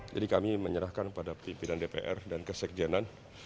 jadi kami menyerahkan kepada pimpinan dpr dan kesekjenan